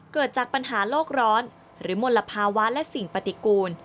เกิดจากปัญหาโลกร้อนหรือมลภาวะและสิ่งปฏิกูล